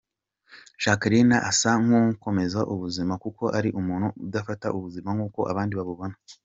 Jacqueline asa n’ukomeza ubuzima kuko ari umuntu udafata ubuzima nk’uko abandi babubona.